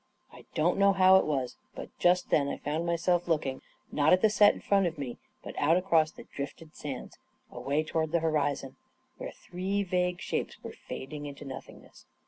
I don't know how it was, but just then I found myself looking, not at the set in front of me, but out across the drifted sands, away toward the hori zon, where three vague shapes were fading into nothingness.